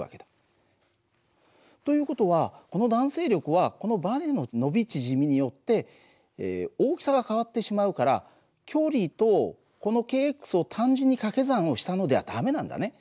という事はこの弾性力はこのバネの伸び縮みによって大きさは変わってしまうから距離とこのｋを単純に掛け算をしたのでは駄目なんだね。